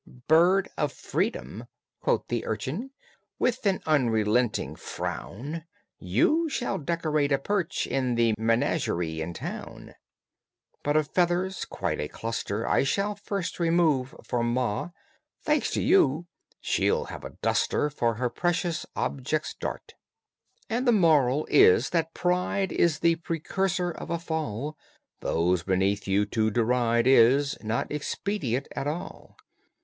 "Bird of freedom," quoth the urchin, With an unrelenting frown, "You shall decorate a perch in The menagerie in town; But of feathers quite a cluster I shall first remove for Ma: Thanks to you, she'll have a duster For her precious objets d'art." And THE MORAL is that pride is The precursor of a fall. Those beneath you to deride is Not expedient at all.